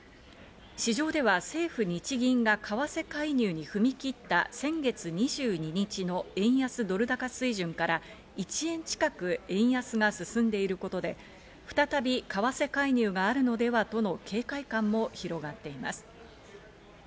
市場では政府・日銀が為替介入に踏み切った先月２２日の円安ドル高水準から１円近く円安が進んでいることで、再び為替介入があるのではとの警戒感も広がっています。